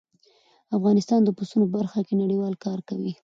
افغانستان د پسونو په برخه کې نړیوال کار کوي.